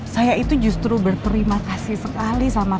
saya itu justru berterima kasih sekali sama